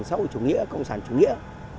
sau chủ nghĩa công sản chủ nghĩa